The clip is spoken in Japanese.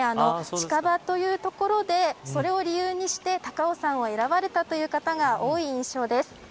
近場というところでそれを理由にして高尾山を選ばれたという方が多い印象です。